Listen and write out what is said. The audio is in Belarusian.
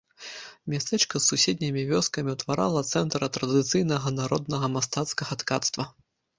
Мястэчка з суседнімі вёскамі утварала цэнтр традыцыйнага народнага мастацкага ткацтва.